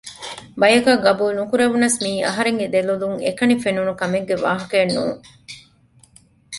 ބަޔަކަށް ޤަބޫލް ނުކުރެވުނަސް މިއީ އަހަރެންގެ ދެލޮލުން އެކަނި ފެނުނު ކަމެއްގެ ވާހަކައެއް ނޫން